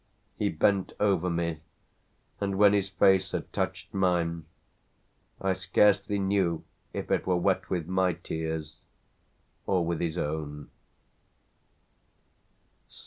He bent over me, and when his face had touched mine I scarcely knew if it were wet with my tears or with his own.